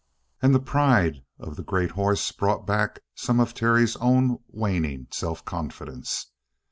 And the pride of the great horse brought back some of Terry's own waning self confidence.